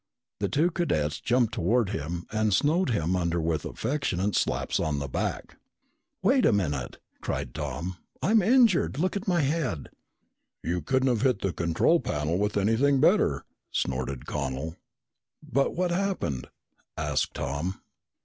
The two cadets jumped toward him and snowed him under with affectionate slaps on the back. "Wait a minute!" cried Tom. "I'm injured. Look at my head!" "You couldn't have hit the control panel with anything better!" snorted Connel. "But what happened?" asked Tom.